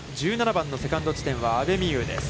１７番のセカンド地点は阿部未悠です。